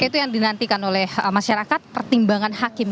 itu yang dinantikan oleh masyarakat pertimbangan hakim